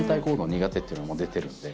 ていうのも出てるんで。